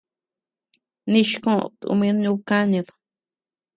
Nichi koʼöd tum nub kanid.